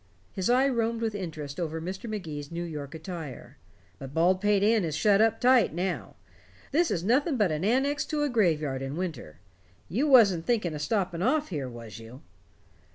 His eye roamed with interest over Mr. Magee's New York attire. "But Baldpate Inn is shut up tight now. This is nothing but an annex to a graveyard in winter. You wasn't thinking of stopping off here, was you?"